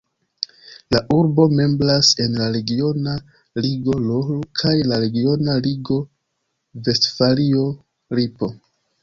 La urbo membras en la regiona ligo Ruhr kaj la regiona ligo Vestfalio-Lipo.